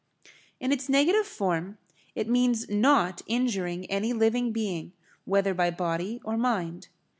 In its negative form it means not injuring any[Pg 20] living being whether by body or mind.